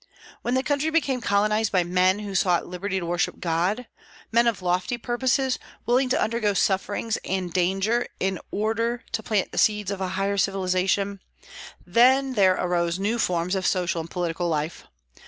When the country became colonized by men who sought liberty to worship God, men of lofty purposes, willing to undergo sufferings and danger in order to plant the seeds of a higher civilization, then there arose new forms of social and political life.